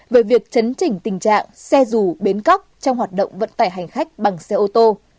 về việc chấn chỉnh tình trạng xe dù bến cóc trong hoạt động vận tải hành khách bằng xe ô tô